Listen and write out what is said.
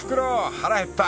腹減った］